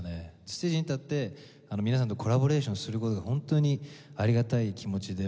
ステージに立って皆さんとコラボレーションする事が本当にありがたい気持ちで。